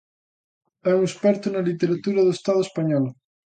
É un experto na literatura do Estado español.